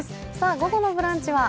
午後の「ブランチ」は？